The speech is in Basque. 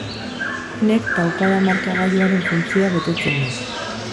Honek taupada-markagailuaren funtzioa betetzen du.